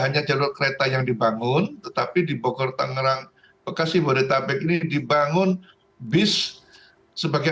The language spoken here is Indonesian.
hanya jalur kereta yang dibangun tetapi di bogor tangerang bekasi bodetabek ini dibangun bis sebagai